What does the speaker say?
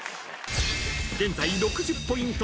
［現在６０ポイント差］